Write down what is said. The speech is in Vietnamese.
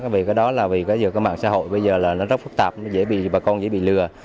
vì cái đó vì cái mạng xã hội bây giờ rất phức tạp bà con dễ bị lừa